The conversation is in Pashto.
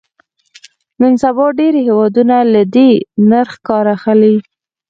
نن سبا ډېری هېوادونه له دې نرخ کار اخلي.